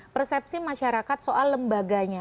persepsi masyarakat soal lembaganya